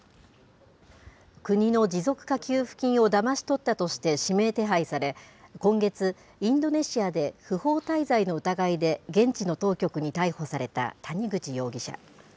国の持続化給付金をだまし取ったとして、指名手配され、今月、インドネシアで、不法滞在の疑いで現地の当局に逮捕された谷口容疑者。